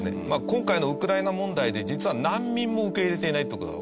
今回のウクライナ問題で実は難民も受け入れていないっていう事がわかった。